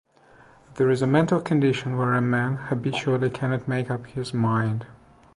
There is a mental condition where a man habitually cannot make up his mind.